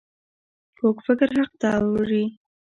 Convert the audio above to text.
کوږ فکر حق نه اوري